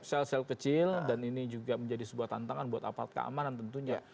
sel sel kecil dan ini juga menjadi sebuah tantangan buat aparat keamanan tentunya